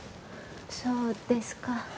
そうですか。